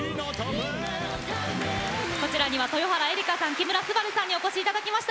こちらには豊原江理佳さん木村昴さんにお越しいただきました。